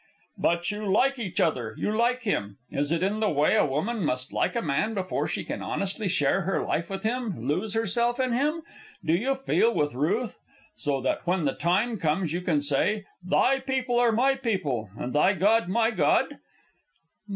"But you like each other; you like him. Is it in the way a woman must like a man before she can honestly share her life with him, lose herself in him? Do you feel with Ruth, so that when the time comes you can say, 'Thy people are my people, and thy God my God'?"